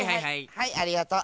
はいありがとう。